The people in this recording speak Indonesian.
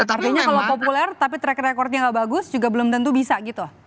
artinya kalau populer tapi track recordnya nggak bagus juga belum tentu bisa gitu